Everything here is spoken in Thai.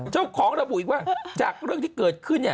เจ้าของระบุอีกว่าจากเรื่องที่เกิดขึ้น